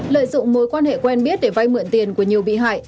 lợi dụng mối quan hệ quen biết để vay mượn tiền của nhiều bị hại